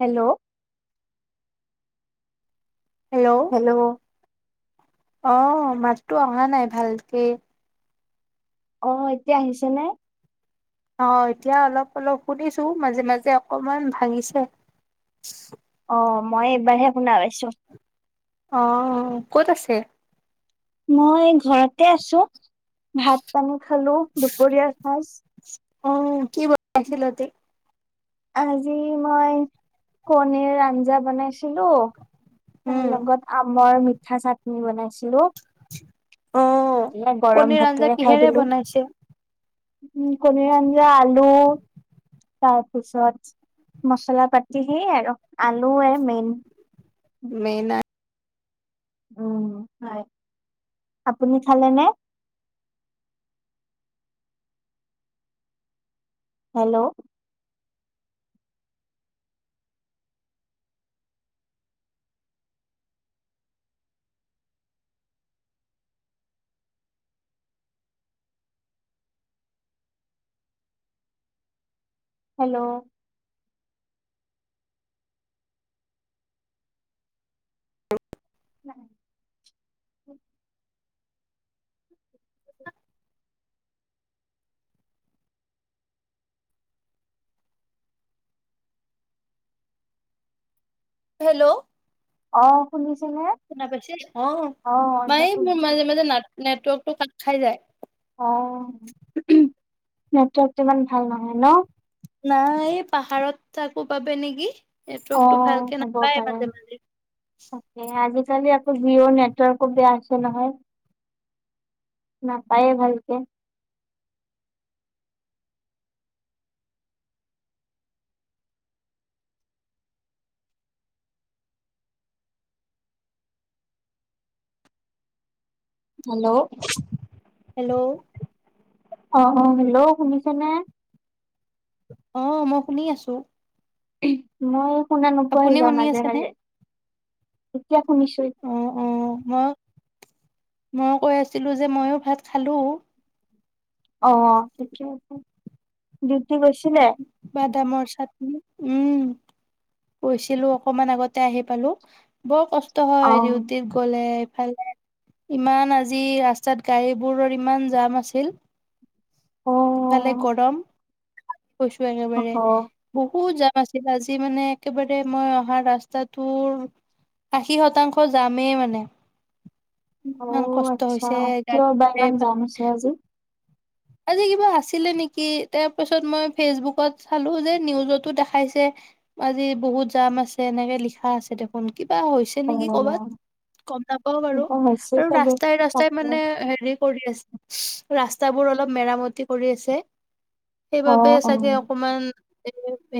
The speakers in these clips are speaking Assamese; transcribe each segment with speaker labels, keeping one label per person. Speaker 1: হেল্ল'? হেল্ল'?
Speaker 2: অ' মাততো অহা নাই, ভালকে!
Speaker 1: অ' এতিয়া আহিছে নে?
Speaker 2: অ এতিয়া অলপ অলপ শুনিছো, মাজে মাজে অকমান ভাঙিছে।
Speaker 1: অ' মই এইবাৰহে শুনা পাইছো।
Speaker 2: অ' ক'ত আছে?
Speaker 1: মই ঘৰতে আছো। ভাত পানী খালো, দুপৰীয়াৰ সাজ।
Speaker 2: অ' কি বনাইছিল আজি?
Speaker 1: আজি মই কণীৰ আঞ্জা বনাইছো। ছিলো তাৰ
Speaker 2: উম
Speaker 1: লগত আমৰ ম ঠিচা ফুল বনাইছো।
Speaker 2: অঁ
Speaker 1: এ গৰম
Speaker 2: কণীৰ আঞ্জা
Speaker 1: ভাতেৰে খাই
Speaker 2: কিহেৰে
Speaker 1: দিলো
Speaker 2: বনাইছে?
Speaker 1: কণীৰ আঞ্জা, আলু তাৰপৰা তাৰ পিছত মচলা পাতি সেই আৰু, আলুয়ে মেইন।
Speaker 2: মেন আ
Speaker 1: উ হয়, আপুনি খালে নে? হেল্ল'? হেল্ল'? না
Speaker 2: হেল্ল'?
Speaker 1: অঁ' শুনিছো
Speaker 2: শুনা পাইছো অঁ মায়
Speaker 1: এইবাৰ
Speaker 2: মোৰ
Speaker 1: শুনিছো
Speaker 2: মাজে মাজে নেট নেটৱৰ্ক কাত খাই যায়
Speaker 1: অঁ নেটৱৰ্ক ইমান ভাল নহয় ন
Speaker 2: নাই পাহাৰত থাকো বাবে নেকি নেটৱৰ্কটো
Speaker 1: অঁ
Speaker 2: ভালকে
Speaker 1: হব
Speaker 2: নাপায়
Speaker 1: পাৰে
Speaker 2: মাজে মাজে
Speaker 1: তাকে আজিকালি জিঅ' নেটৱৰ্কো বেয়া আছে নহয় নাপায়ে ভালকৈ হেল্ল'
Speaker 2: হেল্ল'
Speaker 1: অঁ হেল্ল' শুনিছেনে
Speaker 2: অঁ মই শুনি আছো
Speaker 1: মই শুনা নোপোৱা
Speaker 2: আপুনি
Speaker 1: হৈ যাওঁ
Speaker 2: শুনি
Speaker 1: মাজে
Speaker 2: আছেনে
Speaker 1: মাজে এতিয়া শুনিছো
Speaker 2: অ অ মই ময়ো কৈ আছিলো যে ময়ো ভাত খালো
Speaker 1: অঁ থিকে আছে গৈছিলে
Speaker 2: বাদামৰ চাটনি উম গৈছিলো অকনমান আগতে আহি পালো বৰ কষ্ট বৰ কষ্ট
Speaker 1: অ
Speaker 2: হয় ডিউটিত গ'লে ভালে ইমান আজি ৰাস্তাত গাড়ীবোৰৰ ইমান জাম আছিল
Speaker 1: অ
Speaker 2: ইফালে গৰম কৈছো
Speaker 1: অহ
Speaker 2: একেবাৰে বহুত জা আছিল আজি মানে একেবাৰে মই অহা ৰাস্তাটোৰ আশী শতাংশ জামেই মানে ইমান
Speaker 1: অঁ
Speaker 2: কষ্ট
Speaker 1: আচ্ছা
Speaker 2: হৈছে
Speaker 1: কিয় বা ইমান
Speaker 2: গাড়ী
Speaker 1: জাম আছে আজি
Speaker 2: আজি কিবা আছিলে নেকি তাৰ পাছত মই ফেচবুকত চালো যে নিউজতো দেখাইছে আজি বহুত জাম আছে এনেকে লিখা আছে দেখোন কিবা হৈছে
Speaker 1: অ
Speaker 2: নেকি কৰ'বাত গম নাপাওঁ বাৰু
Speaker 1: কিবা হৈছে
Speaker 2: আৰু
Speaker 1: চাগে
Speaker 2: ৰাস্তাই ৰাস্তাই
Speaker 1: তাকে
Speaker 2: মানে হেৰি [unintelligible] ৰাস্তাবোৰ অলপ অলপ মেৰামতি কৰি আছে
Speaker 1: অ
Speaker 2: সেইবাবে
Speaker 1: অ
Speaker 2: চাগে অকমান এ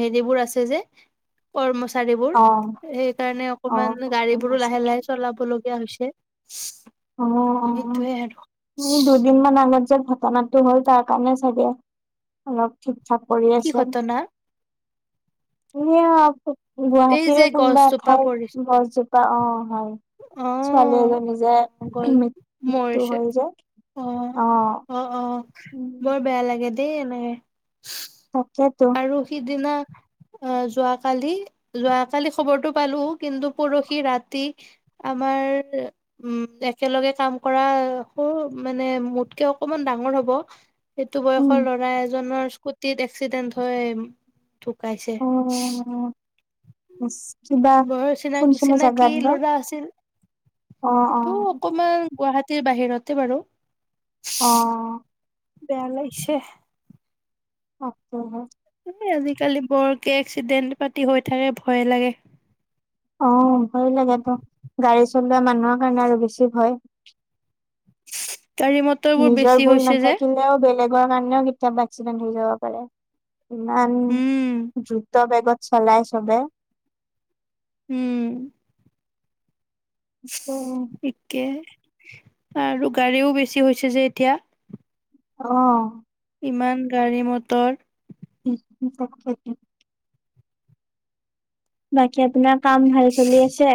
Speaker 2: হেৰিবোৰ আছে যে কৰ্ম চাৰীবোৰ
Speaker 1: অ
Speaker 2: সেই কাৰণে অকমান
Speaker 1: অ',
Speaker 2: গাড়ী
Speaker 1: গম
Speaker 2: বোৰো
Speaker 1: পাইছো।
Speaker 2: লাহে লাহে চলাব লগীয়া হৈছে [inaudible]
Speaker 1: অ
Speaker 2: সেইটোয়ে আৰু
Speaker 1: দুইদিন মান আগত [unintelligible] ঘটনাটো হ'ল তাৰ কাৰণে চাগে অলপ ঠিক থাক কৰি
Speaker 2: কি
Speaker 1: আছে
Speaker 2: ঘটনা
Speaker 1: আ [unintelligible]
Speaker 2: এই যে
Speaker 1: গুৱাহাটীৰে কোনোবা এ
Speaker 2: গছজোপা পৰি
Speaker 1: ঠাইত গছজোপা অ হয় ছোৱালী
Speaker 2: অ',
Speaker 1: এজনী যেে
Speaker 2: মৰিছে অ অ অ
Speaker 1: উম,
Speaker 2: বৰ বেয়া লাগে দে দে নে
Speaker 1: তাকেতো
Speaker 2: আৰু সিদিনা আহ যোৱাকালি যোৱাকালি খবৰটো পালো কিন্তু পৰহি ৰাতি আমাৰ উ একেলগে কাম কৰা মানে মোতকে অকমান ডাঙৰ হব এইটো
Speaker 1: উম,
Speaker 2: বয়সৰ ল'ৰা এজনৰ ইচকুতিত একেচিডেণ্ট হয় ঢুকাইছে
Speaker 1: অ', কিবা
Speaker 2: বৰ চিনাকি
Speaker 1: কোনখিনি
Speaker 2: চিনাকি
Speaker 1: জেগাত বা
Speaker 2: ল'ৰা আছিল
Speaker 1: অ',
Speaker 2: এইটো
Speaker 1: অ',
Speaker 2: অকমান গুৱাহাটীৰ বাহিৰতে বাৰু
Speaker 1: অ
Speaker 2: বেয়া লাগিছে
Speaker 1: অছ হয়
Speaker 2: এ আজিকালি বৰকৈ এক্সিডেণ্ট পাতি হৈ থ
Speaker 1: অ ভয় লাগে টো গাড়ী চলোৱা মানুহৰ কাৰণে আৰু বেছি ভয়
Speaker 2: হয়
Speaker 1: নিজৰ ভুল নাথাকিলেও বেলেগ লোক কাৰণেও কেতিয়াবা এক্সিডেণ্ট হৈ যাব পাৰে ইমান
Speaker 2: উম
Speaker 1: দ্ৰুত বেগত চলাই চবে
Speaker 2: উম একে আৰু গাড়ীও বেছি হৈছে যে এতিয়া।
Speaker 1: অহ।
Speaker 2: ইমান গাড়ী মটৰ।
Speaker 1: [unintelligible] বাকী আপোনাক কাম ভাল চলি আছে?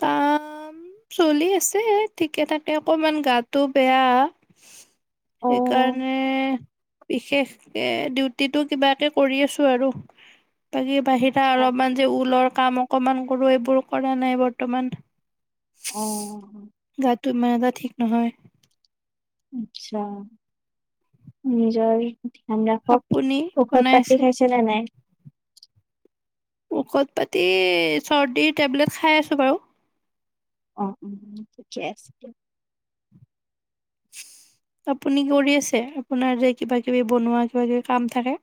Speaker 2: কাম চলি আছে ঠিকে থাকে। অকমান গাটো বেয়া।
Speaker 1: অ'
Speaker 2: সেইকাৰণে বিশেষ এ, ডিউটিটো কিবাকে কৰি আছো আৰু বাকী বাহিৰা
Speaker 1: আচ্ছা
Speaker 2: অলপমান যে ঊলৰ কামক অকমান কৰো এইবোৰো কৰা নাই বৰ্ত বৰ্তমান
Speaker 1: অ'।
Speaker 2: তোমাৰ [unintelligible] ঠিক নহয়
Speaker 1: আচ্ছা, নিজৰ ধ্যান ৰাখক।
Speaker 2: আপুনি বনাই আছে
Speaker 1: ঔষধ-পাতি খাইছে নে নাই?
Speaker 2: ঔষধ-পাতি, চৰ্দীৰ টেবলেট খাই আছো বাৰু
Speaker 1: অ', ঠিকেই আছে দিয়ক
Speaker 2: আপুনি কৰি আছে, আপোনাৰ যে কিবা কিবি বনোৱা কিবা কিবি কাম থাকে?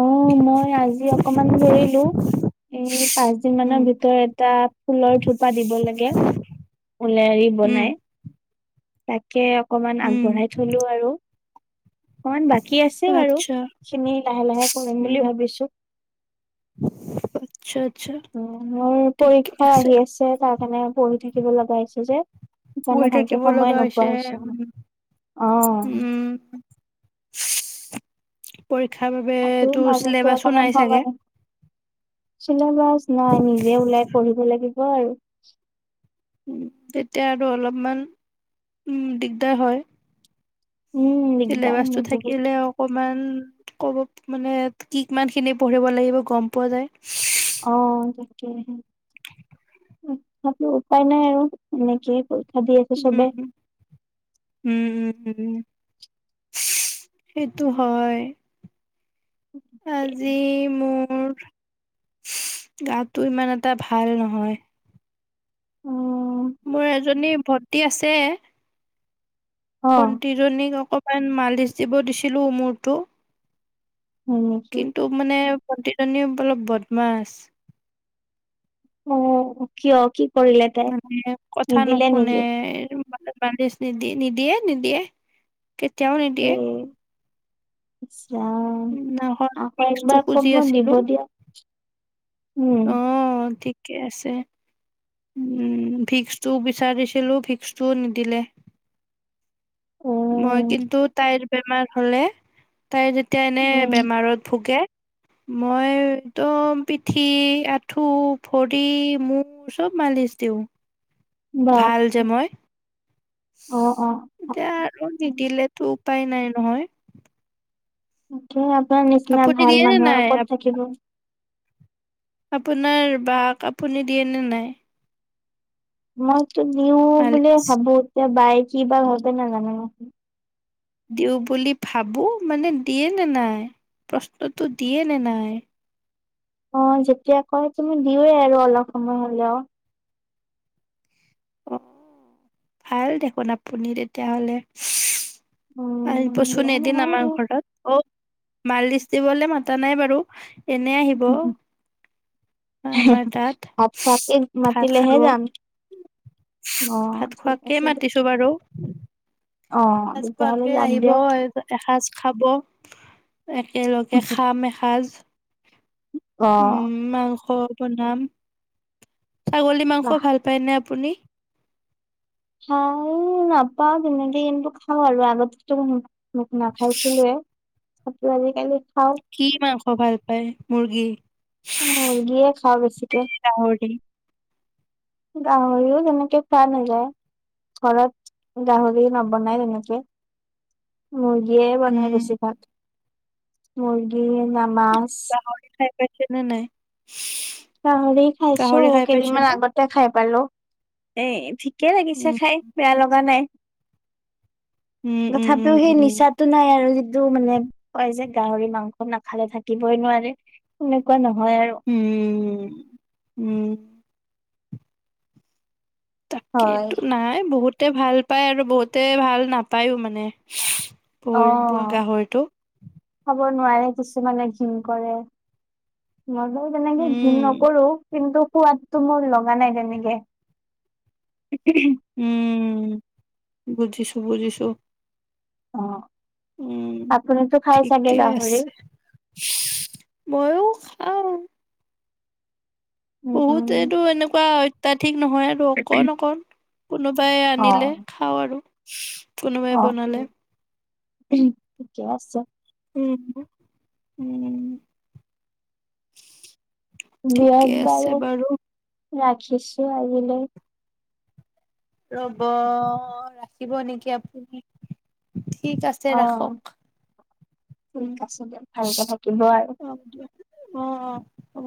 Speaker 1: অ', মই আজি অকমান বহিলো, এই পাঁচ দিন
Speaker 2: উম।
Speaker 1: মানৰ ভিতৰত এটা ফুলৰ থোপা দিব লাগে ঊলেৰি
Speaker 2: উম
Speaker 1: বনাই তাক কে অকনমান
Speaker 2: উম
Speaker 1: আগবঢ়াই থলো আৰু অকনমান বাকী আছে বাৰু,
Speaker 2: আচ্ছা
Speaker 1: খিনি লাহে লাহে কৰিম
Speaker 2: উম
Speaker 1: বুলি ভাবিছো
Speaker 2: [inaudible]
Speaker 1: মোৰ পৰীক্ষা আহি আছে তাত মানে পঢ়ি থাকিব লগা হৈছে যে সেইকাৰণে
Speaker 2: বহি
Speaker 1: ভালকে
Speaker 2: থাকিব
Speaker 1: সময়
Speaker 2: লগা
Speaker 1: নোপোৱা
Speaker 2: হৈছে,
Speaker 1: হৈছো অ
Speaker 2: উম, উম। পৰীক্ষাৰ
Speaker 1: তাকো
Speaker 2: বাবেতো
Speaker 1: মাজতে
Speaker 2: চিলেবাছো নাই চাগে?
Speaker 1: চিলে বাছ নাই, নিজে ওলাই পঢ়িব লাগে। হব আৰু
Speaker 2: উম, তেতিয়া আৰু অলপমান, উম দিগদাৰ হয়।
Speaker 1: উম দিগদাৰ
Speaker 2: চিলেবাচটো
Speaker 1: মোৰ বহুত
Speaker 2: থাকিলে অকমান ক'ব মানে কি কিমান খিনি পঢ়িব লাগিব গম পোৱা যায়
Speaker 1: অ', তাকেহে তথাপিও উপায় নাই আৰু এনেকেই পঢ়ি
Speaker 2: উম, উম উম উম, সেইটো হয় আজি মোৰ গাটো ইমান এটা ভাল নহয়
Speaker 1: উম
Speaker 2: ভৰ্তি আছে
Speaker 1: অ
Speaker 2: ভণ্টি জনি মান মালিচ দিব দিছিলো মূৰটো
Speaker 1: হয় নেকি
Speaker 2: কিন্তু মানে ভন্তি জনি বোলে বদমাছ
Speaker 1: অ কি অ কি কৰিলে তাই
Speaker 2: মানে কথা
Speaker 1: নিদিলে
Speaker 2: নুশুনে
Speaker 1: নেকি?
Speaker 2: মালিচ নিদি নিদিয়ে নিদিয়ে কেতিয়াও নিদিয়ে
Speaker 1: [unintelligible] অ
Speaker 2: সিদিনাখন
Speaker 1: আকৌ
Speaker 2: ভিক্সটো
Speaker 1: একবাৰ
Speaker 2: খুজি
Speaker 1: কম
Speaker 2: আছিলো
Speaker 1: নিদো দিয়া উম
Speaker 2: কে আছে উম ভিক্সটো বিচাৰিছিলো ভিক্সটোও নিদিলে মই
Speaker 1: উম,
Speaker 2: কিন্তু তাইৰ বেমাৰ হ'লে তাই যেতিয়া এনে বেমাৰত ভোগে মই একদম পিঠি আঁঠু ভৰি মুখ চব মালিচ দিওঁ ভাল যে
Speaker 1: বাপৰে
Speaker 2: মই
Speaker 1: অ', অ'।
Speaker 2: এতিয়া আৰু নিদিলে তো উপায় নাই নহয়
Speaker 1: [unintelligible] নিচিনা
Speaker 2: আপুনি
Speaker 1: ভাল
Speaker 2: দিয়ে নে
Speaker 1: মানুহ
Speaker 2: নাই?
Speaker 1: আৰু ক'ত থাকিব
Speaker 2: আপোনাৰ বাক আপুনি দিয়ে নে নাই
Speaker 1: মই দিওঁ বোলে
Speaker 2: মালিচ?
Speaker 1: ভাবো এতিয়া বায়ে কি বা ভাবে নাজানোঁ আৰু
Speaker 2: দিওঁ বুলি ভাবোঁ মানে দিয়ে নে নাই প্ৰশ্নটো দিয়ে নে নাই
Speaker 1: অ যেতিয়া কয় তুমি দিয়ে আৰু অলপ সময় হলেও
Speaker 2: অ ভাল দেখোন আপুনি তেতিয়াহলে
Speaker 1: উম,
Speaker 2: আহিবচোন
Speaker 1: বেয়া
Speaker 2: এদিন
Speaker 1: নহয়
Speaker 2: আমাৰ
Speaker 1: আৰু।
Speaker 2: ঘৰত অ মালিচ দিবলে মাতা নাই বাৰু এনে আহিব আমাৰ তাত
Speaker 1: ভাত খোৱাকে
Speaker 2: ভাত খাব
Speaker 1: মাতিলেহে যাম। অ',
Speaker 2: ভাত
Speaker 1: ঠিক
Speaker 2: খোৱাকে
Speaker 1: আছে দিয়ক।
Speaker 2: মাতিছো বাৰু।
Speaker 1: অ',
Speaker 2: এসাজ
Speaker 1: তেতিয়াহ'লে
Speaker 2: খোৱাকে
Speaker 1: যাম
Speaker 2: আহিব
Speaker 1: দিয়ক।
Speaker 2: এসাজ খাব। একেলগে খাম এসাজ। উম
Speaker 1: অ',
Speaker 2: মাংস। বনাম। ছাগলী মাংস
Speaker 1: বাহ।
Speaker 2: ভাল পায় নে আপুনি।
Speaker 1: খা নাপাও তেনেকে কিন্তু খাওঁ আৰু আগতে তু মুৰ। মোক নাখাইছিলয়ে। আ আজিকালি। খাওঁ
Speaker 2: কি মাংস ভাল পায় মুৰ্গী।
Speaker 1: উ মুৰ্গিয়ে খাওঁ বেছিকে।
Speaker 2: গাহৰি
Speaker 1: গাহৰিও তেনেকে খোৱা নাযায় ঘৰত গাহৰি নবনাই তেনেকে ম। হিয়ে বনাই
Speaker 2: উম
Speaker 1: বেছি ভাগ। মৰ্গি ন।
Speaker 2: খাই প [unintelligible] চেনি নাই।
Speaker 1: গাহৰি খাইছো
Speaker 2: গাহৰি খাই পাইছে
Speaker 1: কেইদিনমান
Speaker 2: নে
Speaker 1: আগতে খাই পালো। এ। একিকে লাগিছে
Speaker 2: উম
Speaker 1: খাই বেয়া লগা নাই।
Speaker 2: উম উম উম
Speaker 1: তথাপিও সেই
Speaker 2: উম
Speaker 1: নিচাটো নাই আৰু। টো মানে কয় যে গাহৰি মাংস নাখালে থাকিবই নোৱাৰে সেনেকুৱা নহয়। হয় আৰু।
Speaker 2: উম।
Speaker 1: হয়
Speaker 2: তাকেইতো নাই বহুত। তে ভাল পায় আৰু বহুতে ভাল নাপায়ো মানে। পৰিবৈ
Speaker 1: অ
Speaker 2: গাহৰিটো।
Speaker 1: খাব নোৱাৰে কিছুমানে ঘিন কৰে। মইলে তেনেকে ঘিণ
Speaker 2: উম
Speaker 1: নকৰো কিন্তু। সোৱাদটো মোৰ লগা নাই তেনেকে।
Speaker 2: উম বুজিছো বুজিছো।
Speaker 1: অ।
Speaker 2: উম
Speaker 1: আপুনিতো খাই চাগে
Speaker 2: ঠিকে
Speaker 1: গাহৰি?
Speaker 2: আছে ময়ো অ'ম
Speaker 1: উম, উম।
Speaker 2: বহুতেটো এনেকুৱা অত্যাধিক নহয় আৰু অকণ অকণ কোনোবাই আনিলে
Speaker 1: অ'।
Speaker 2: খাওঁ আৰু পূৰ্ণ মাই ব নালে
Speaker 1: থিকে আছে
Speaker 2: উম উম ঠিকেই আছে বাৰু
Speaker 1: ৰাখিছো আজিলৈ
Speaker 2: ৰব ৰাখিব নেকি আপুনি ঠিক আছে
Speaker 1: অ
Speaker 2: ৰাখক
Speaker 1: ঠিক
Speaker 2: উম
Speaker 1: আছে দিয়ক ভালকে থাকিব আৰু
Speaker 2: অ অ অ